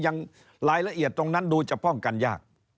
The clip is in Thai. รายละเอียดตรงนั้นดูจะป้องกันยาก